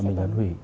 mình ấn hủy